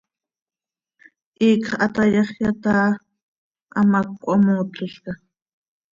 Iicx hatayaxyat áa, hamác cöhamootlolca.